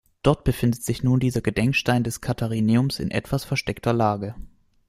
Dort befindet sich nun dieser Gedenkstein des Katharineums in etwas versteckter Lage.